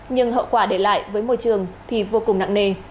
nhưng hậu quả để lại với môi trường thì vô cùng nặng nề